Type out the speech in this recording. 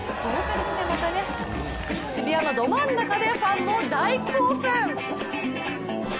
渋谷のど真ん中でファンも大興奮。